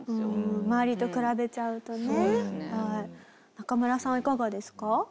中村さんはいかがですか？